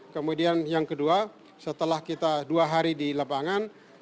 kemudian yang kedua setelah kita dua hari di lapangan